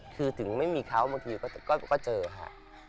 คือถึงไม่มีเขาบางทีก็เจอค่ะ